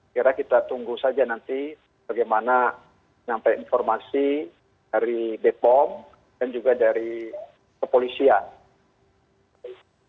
kira kita tunggu saja nanti bagaimana nyampe informasi dari bepom dan juga dari kepolisian